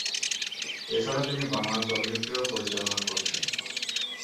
এছাড়া তিনি বাংলা চলচ্চিত্রও পরিচালনা করেছেন।